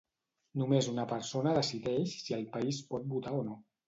Només una persona decideix si el país pot votar o no?